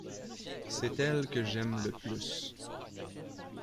C’est elle que j’aime le plus.